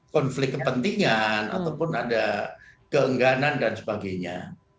konflik kepentingan ataupun ada keengganan dan sebagainya